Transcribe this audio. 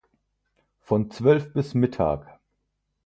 Von zwölf bis mittag.